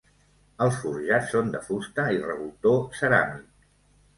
Els forjats són de fusta i revoltó ceràmic.